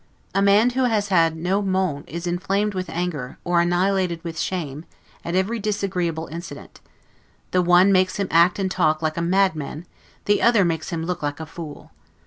A man who has no 'monde' is inflamed with anger, or annihilated with shame, at every disagreeable incident: the one makes him act and talk like a madman, the other makes him look like a fool.